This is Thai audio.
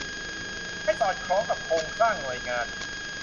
ให้สอดคล้องกับโครงสร้างหน่วยงาน